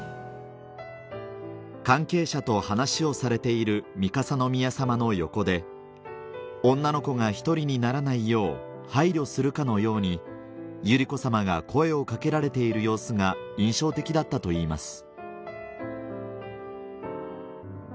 関係者と話をされている三笠宮さまの横で女の子が１人にならないよう配慮するかのように百合子さまが声を掛けられている様子が印象的だったといいます